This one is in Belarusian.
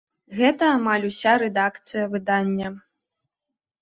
Гэта амаль уся рэдакцыя выдання.